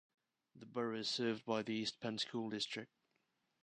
The Borough is served by the East Penn School District.